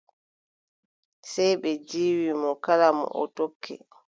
Sey ɓe ndiiwi mo. Kala mo o tokki.